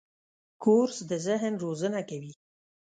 کورس د ذهن روزنه کوي.